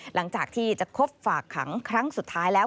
หลังจากที่จะครบฝากขังครั้งสุดท้ายแล้ว